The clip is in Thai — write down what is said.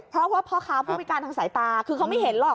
เพราะว่าพ่อค้าผู้พิการทางสายตาคือเขาไม่เห็นหรอก